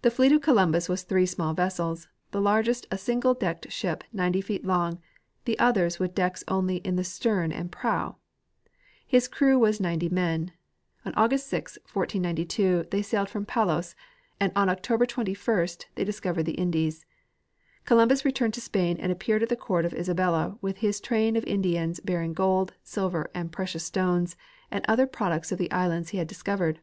The fleet of Columbus was three small vessels; the largest" a single decked ship 90 feet long, the others with decks only in the stern gtnd prow. His crew was 90 men. On August 6, 1492, they sailed from Palos, and on October 21 discovered the Indies. Columbus returned to Spain and appeared at the court of Isabella with his train of Indians bearing gold, silver, precious stones, and other products of the islands he had discovered.